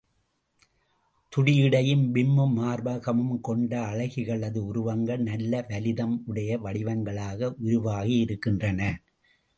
துடியிடையும், விம்மும் மார்பகமும் கொண்ட அழகிகளது உருவங்கள் நல்ல லலிதம் உடைய வடிவங்களாக உருவாகியிருக்கின்றன.